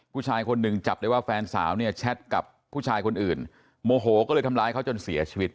ผู้ชายคนหนึ่งจับได้ว่าแฟนสาวเนี่ยแชทกับผู้ชายคนอื่นโมโหก็เลยทำร้ายเขาจนเสียชีวิต